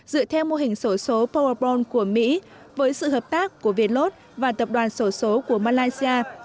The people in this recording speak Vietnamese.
dựa theo mô hình sổ số powerball của mỹ với sự hợp tác của việt lót và tập đoàn sổ số của malaysia